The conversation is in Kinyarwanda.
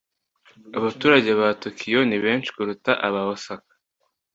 Abaturage ba Tokiyo ni benshi kuruta aba Osaka.